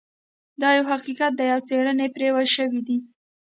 دا یو حقیقت دی او څیړنې پرې شوي دي